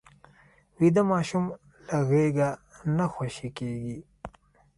ویده ماشوم له غېږه نه خوشې کېږي